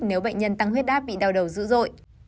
nếu bệnh nhân tăng huyết áp bị đau đầu dữ dội